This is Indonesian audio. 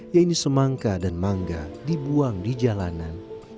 yaitu semangka dan mangga dibuang di jalanan